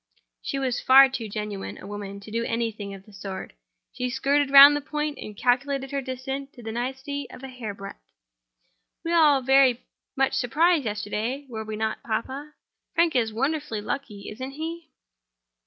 She was far too genuine a woman to do anything of the sort. She skirted round the point and calculated her distance to the nicety of a hair breadth. "We were all very much surprised yesterday—were we not, papa? Frank is wonderfully lucky, isn't he?"